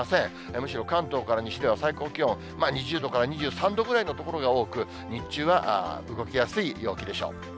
むしろ関東から西では、最高気温２０度から２３度ぐらいの所が多く、日中は動きやすい陽気でしょう。